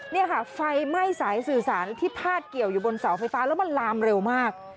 นี่ค่ะไฟไหม้สายสื่อสารที่พาดเกี่ยวอยู่บนเสาไฟฟ้าแล้วมันลามเร็วมาก